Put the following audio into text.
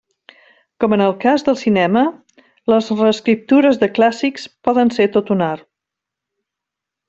Com en el cas del cinema, les reescriptures de clàssics poden ser tot un art.